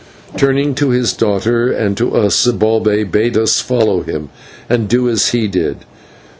Turning to his daughter and to us, Zibalbay bade us follow him, and do as he did.